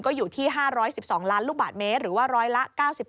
ก็อยู่ที่๕๑๒ล้านลูกบาทเมตรหรือว่าร้อยละ๙๘